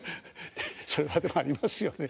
それはでもありますよね。